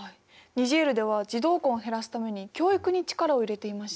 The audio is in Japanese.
ニジェールでは児童婚を減らすために教育に力を入れていました。